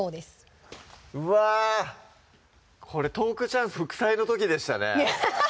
うわぁこれトークチャンス副菜の時でしたね